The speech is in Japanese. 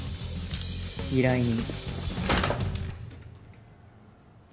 依頼人。